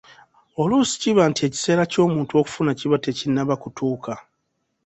Oluusi kiba nti ekiseera ky'omuntu okufuna kiba tekinnaba kutuuka.